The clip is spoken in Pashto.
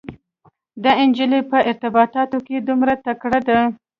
دا انجلۍ په ارتباطاتو کې دومره تکړه ده.